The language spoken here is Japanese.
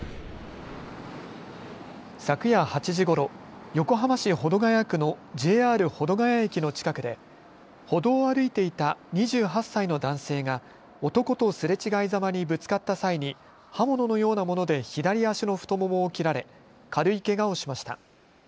昨夜８時ごろ横浜市保土ケ谷区のＪＲ保土ケ谷駅の近くで歩道を歩いていた２８歳の男性が男とすれ違いざまにぶつかった際に刃物のようなもので左足の太ももを切られ軽いけがをしました。